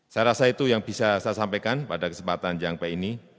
saya rasa itu yang bisa saya sampaikan pada kesempatan yang baik ini